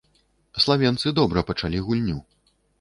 Славенцы добра пачалі гульню.